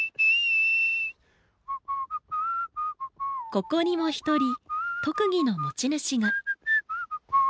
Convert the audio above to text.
ここにも一人特技の持ち主が。